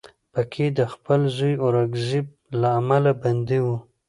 په کې د خپل زوی اورنګزیب له امله بندي و